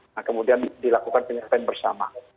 nah kemudian dilakukan penyelesaian bersama